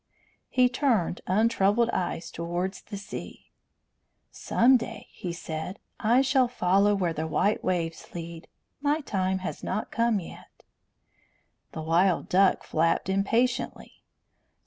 He turned untroubled eyes towards the sea. "Some day," he said, "I shall follow where the white waves lead. My time has not yet come." The wild duck flapped impatiently.